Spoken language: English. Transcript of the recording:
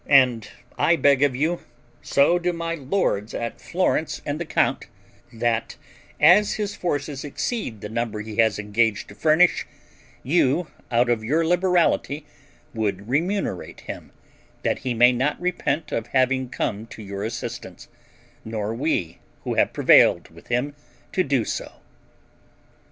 And I beg of you, so do my lords at Florence and the count, that as his forces exceed the number he has engaged to furnish you, out of your liberality, would remunerate him, that he may not repent of having come to your assistance, nor we, who have prevailed with him to do so."